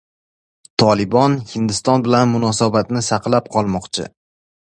Tolibon Hindiston bilan munosabatlarni saqlab qolmoqchi